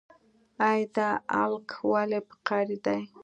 ای دا الک ولې په قار دی.